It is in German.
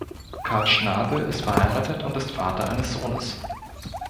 Karl Schnabl ist verheiratet und ist Vater eines Sohnes.